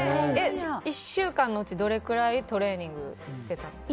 １週間のうち、どれくらいトレーニングしてたんですか。